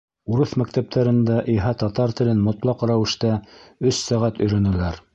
Урыҫ мәктәптәрендә иһә татар телен мотлаҡ рәүештә өс сәғәт өйрәнәләр.